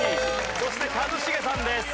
そして一茂さんです。